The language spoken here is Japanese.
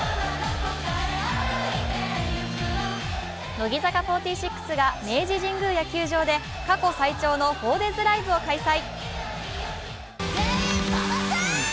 乃木坂４６が明治神宮野球場で過去最長の４ＤＡＹＳライブを開催。